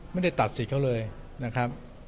ไม่ได้ตัดสิทธิ์เขาเลยนะครับ